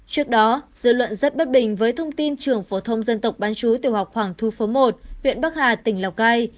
trước đó dư luận rất bất bình với thông tin trường phổ thông dân tộc bán chú tiểu học khoảng thu phố một huyện bắc hà tỉnh lào cai